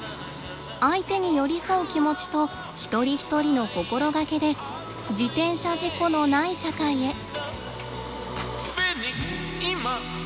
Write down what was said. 相手に寄り添う気持ちと一人一人の心がけで自転車事故のない社会へ。